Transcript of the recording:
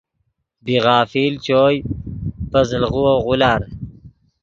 بی غافل چوئے پے زل غووف غولار